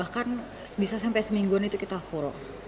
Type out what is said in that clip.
bahkan bisa sampai semingguan itu kita full